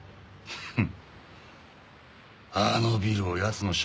フッ。